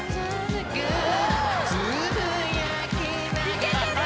・いけてる！